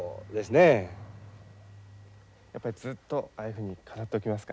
やっぱりずっとああいうふうに飾っておきますか？